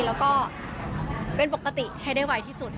แล้วก็เป็นปกติให้ได้ไวที่สุด